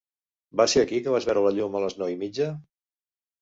Va ser aquí que vas veure la llum a les nou i mitja?